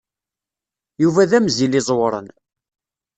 Yuba d amzil iẓewren.